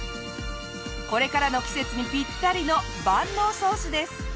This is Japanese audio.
これからの季節にピッタリの万能ソースです。